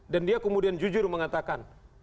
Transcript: dan dia kemudian jujur mengatakan